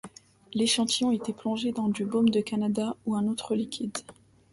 L'échantillon était plongé dans du baume du Canada ou un autre liquide.